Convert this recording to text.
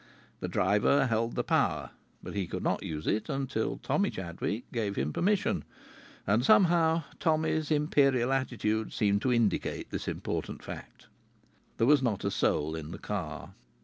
The driver held the power, but he could not use it until Tommy Chadwick gave him permission; and somehow Tommy's imperial attitude seemed to indicate this important fact. There was not a soul in the car.